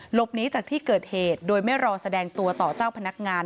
หลบหนีจากที่เกิดเหตุโดยไม่รอแสดงตัวต่อเจ้าพนักงาน